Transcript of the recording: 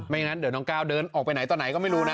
งั้นเดี๋ยวน้องก้าวเดินออกไปไหนตอนไหนก็ไม่รู้นะ